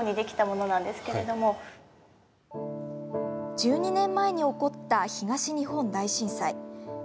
１２年前に起こった東日本大震災。